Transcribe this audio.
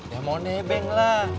ya mau nebeng lah